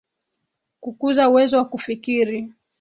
Kukuza uwezo wa kufikiri.